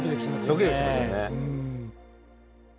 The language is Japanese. ドキドキしますよね。